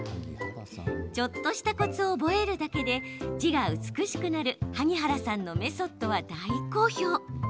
ちょっとしたコツを覚えるだけで字が美しくなる萩原さんのメソッドは大好評。